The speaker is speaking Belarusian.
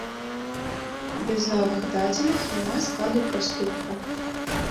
Без новых дадзеных няма складу праступку.